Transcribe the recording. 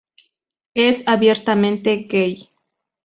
Es abiertamente gay.